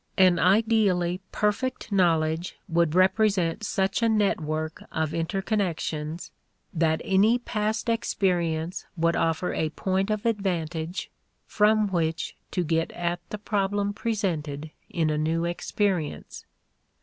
An ideally perfect knowledge would represent such a network of interconnections that any past experience would offer a point of advantage from which to get at the problem presented in a new experience.